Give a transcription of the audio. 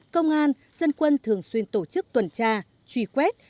công an dân quân thường xuyên tổ chức tuần tra truy quét